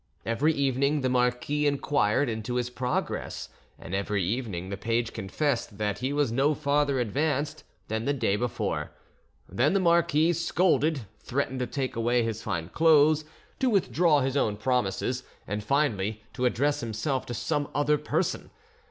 Every evening the marquis inquired into his progress, and every evening the page confessed that he was no farther advanced than the day before; then the marquis scolded, threatened to take away his fine clothes, to withdraw his own promises, and finally to address himself to some other person.